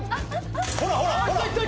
ほらほらほら！